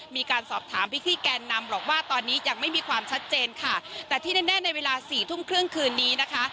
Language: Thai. มีการสอบถามพิธีแกนนำบอกว่าตอนนี้ยังไม่มีความชัดเจนค่ะแต่ที่แน่ในเวลาสี่ทุ่มครึ่งคืนนี้นะคะ